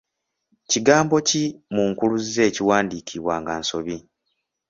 Kigambo ki mu nkuluze ekiwandiikibwa nga ensobi?